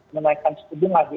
kenaikan setubung lagi